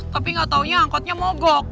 tapi nggak taunya angkotnya mogok